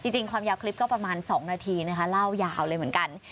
ความยาวคลิปก็ประมาณ๒นาทีนะคะเล่ายาวเลยเหมือนกัน